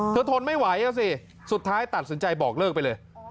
ทนไม่ไหวอ่ะสิสุดท้ายตัดสินใจบอกเลิกไปเลย